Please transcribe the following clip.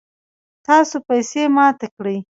تاسو پیسی ماتی کړئ